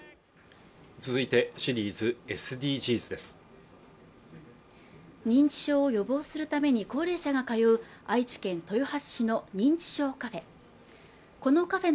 続いてシリーズ「ＳＤＧｓ」です認知症を予防するために高齢者が通う愛知県豊橋市の認知症カフェ